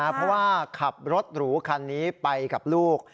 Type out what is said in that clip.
เพราะว่าขับรถหรูคันนี้ไปกับลูก